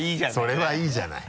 それはいいじゃない。